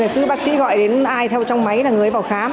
cứ bác sĩ gọi đến ai theo trong máy là người vào khám